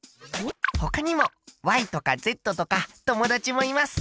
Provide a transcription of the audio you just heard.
ほかにもとかｚとか友達もいます。